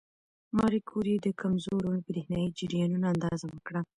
ماري کوري د کمزورو برېښنايي جریانونو اندازه وکړه.